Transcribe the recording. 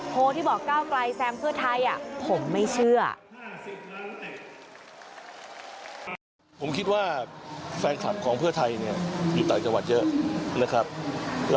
ที่บอกก้าวไกลแซมเพื่อไทยผมไม่เชื่อ